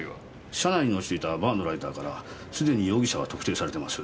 車内に落ちていたバーのライターからすでに容疑者は特定されてます。